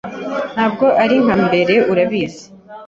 Ntabwo ari nka mbere, urabizi.